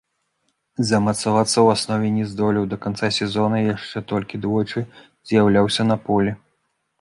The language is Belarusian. Замацавацца ў аснове не здолеў, да канца сезону яшчэ толькі двойчы з'яўляўся на полі.